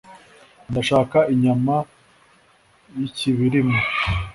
ndashaka inyama y' ikibirima".